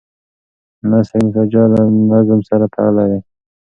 نثر مسجع له نظم سره تړلی دی.